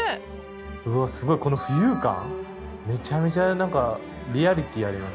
うわっすごいこの浮遊感めちゃめちゃなんかリアリティーあります。